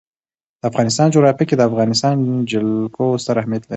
د افغانستان جغرافیه کې د افغانستان جلکو ستر اهمیت لري.